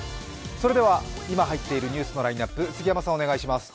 それでは今入っているニュースのラインナップ、杉山さんお願いします。